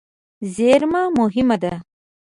زېرمه مهمه ده.